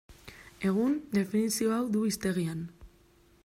Egun, definizio hau du hiztegian.